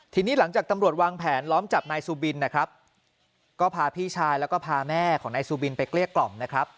ทีนี้หลังจากตำรวจวางแผนล้อมจับนายซูบินนะครับก็พาพี่ชายแล้วก็พาแม่ของนายซูบินไปเกลี้ยกล่อมนะครับ